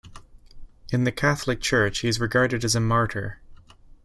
In the Catholic Church, he is regarded as a martyr.